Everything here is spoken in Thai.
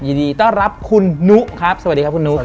ยินดีต้อนรับคุณนุครับสวัสดีครับคุณนุ